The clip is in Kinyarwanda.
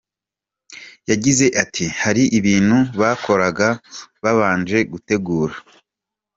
Yagize ati “Hari ibintu bakoraga babanje gutegura.